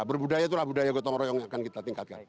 berbudaya itulah budaya gotong royong yang akan kita tingkatkan